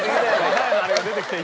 前のあれが出てきたよ